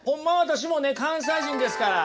私もね関西人ですから。